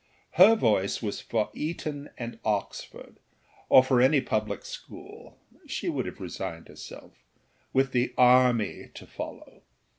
Her voice was for Eton and Oxford, or for any public school (she would have resigned herself) with the army to follow.